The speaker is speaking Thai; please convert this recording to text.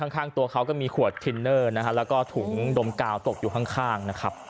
ข้างตัวเค้าก็มีขวดทินเนอร์แล้วก็ถุงดมกาวตกอยู่ข้าง